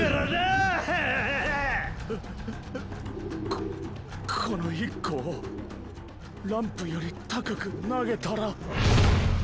ここの「一個」をランプより高く投げたら。